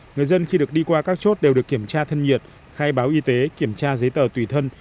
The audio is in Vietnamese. người dân khi được đi qua các chốt đều được kiểm tra thân nhiệt khai báo y tế kiểm tra giấy tờ tùy thân